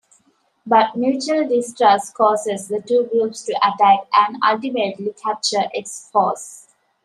But mutual distrust causes the two groups to attack and ultimately capture X-Force.